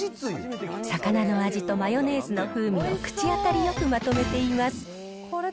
魚の味とマヨネーズの風味を口当たりよくまとめています。